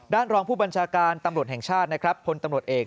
ด้านรองผู้บัญชาการตำรวจแห่งชาติผลตำรวจเอก